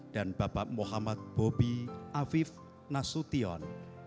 dan bapak muhammad bobby afif nasution